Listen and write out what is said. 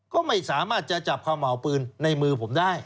ก็ไม่สามารถจะจับความเห่าปืนในมือผมได้